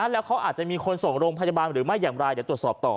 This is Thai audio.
แล้วเขาอาจจะมีคนส่งโรงพยาบาลหรือไม่อย่างไรเดี๋ยวตรวจสอบต่อ